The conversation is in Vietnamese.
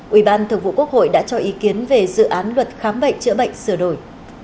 ubthqh đã cho ý kiến về dự án luật khám bệnh chữa bệnh sửa đổi